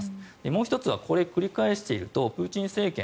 もう１つはこれを繰り返しているとプーチン政権